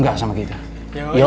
gak ada lagi yang gampang